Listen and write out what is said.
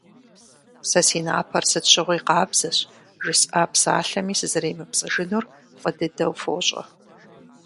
Сэ си напэр сыт щыгъуи къабзэщ, жысӀа псалъэми сызэремыпцӀыжынур фӀы дыдэу фощӀэ.